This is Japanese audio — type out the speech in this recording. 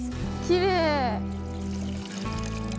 きれい。